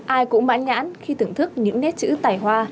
ai cũng mãn nhãn khi thưởng thức những nét chữ tài hoa